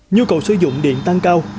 nhu cầu sử dụng điện tăng cao